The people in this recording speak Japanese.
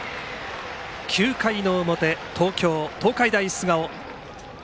９回の表、東京・東海大菅生。